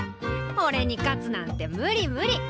おれに勝つなんて無理無理！